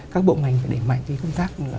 các bộ ngành phải đẩy mạnh công tác